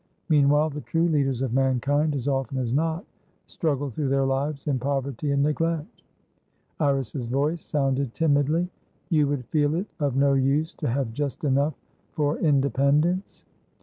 Meanwhile, the true leaders of mankind, as often as not, struggle through their lives in poverty and neglect." Iris's voice sounded timidly. "You would feel it of no use to have just enough for independence?"